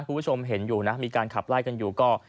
คุณผู้ชมเห็นอยู่นะมีการขับไล่กันอยู่ก็